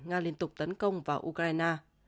nga liên tục tấn công vào ukraine